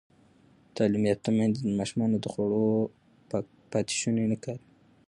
تعلیم یافته میندې د ماشومانو د خوړو پاتې شوني نه کاروي.